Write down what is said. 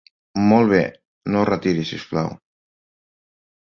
Molt bé, no es retiri si us plau.